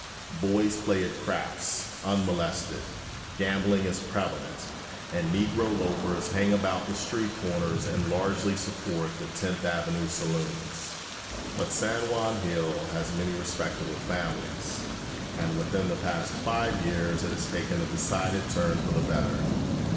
Boys play at craps unmolested, gambling is prevalent, and Negro loafers hang about the street corners and largely support the Tenth Avenue saloons. But San Juan Hill has many respectable families, and within the past five years it has taken a decided turn for the better.